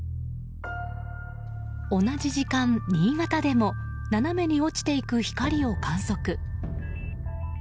同じ時間、新潟でも斜めに落ちていく光を観測。